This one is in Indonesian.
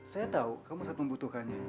saya tahu kamu sangat membutuhkannya